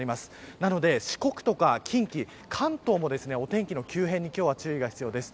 なので、四国とか近畿関東も、お天気の急変に今日は注意が必要です。